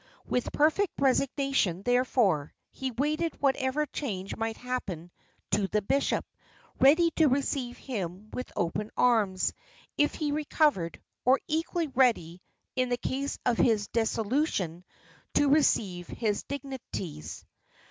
With perfect resignation, therefore, he waited whatever change might happen to the bishop, ready to receive him with open arms if he recovered, or equally ready, in case of his dissolution, to receive his dignities.